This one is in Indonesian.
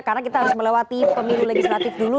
karena kita harus melewati pemilu legislatif dulu